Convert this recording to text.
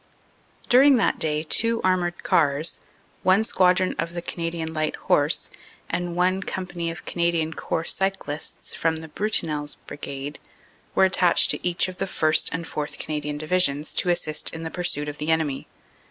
"During that day two armored cars, one squadron of the Canadian Light Horse and one Company of Canadian Corps Cyclists from Brutinel s Brigade, were attached to each of the 1st. and 4th. Canadian Divisions to assist in the pursuit of the enemy.